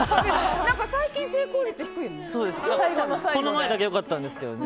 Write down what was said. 最近成功率低いね。